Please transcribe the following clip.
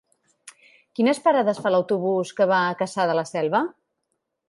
Quines parades fa l'autobús que va a Cassà de la Selva?